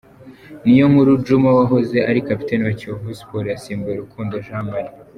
Niyonkuru Djuma wahoze ari kapiteni wa Kiyovu Sports yasimbuye Rukundo Jean Marie.